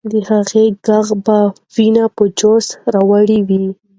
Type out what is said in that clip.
د هغې ږغ به ويني په جوش راوړي وي.